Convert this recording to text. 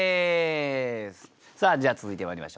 さあじゃあ続いてまいりましょう。